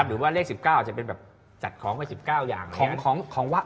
หรือว่าเล็ก๑๙จะเป็นจัดของไป๑๙อย่าง